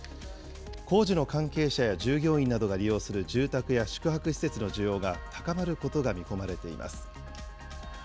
工事の関係者や従業員などが利用する住宅や宿泊施設の需要が高まることが見込まれています。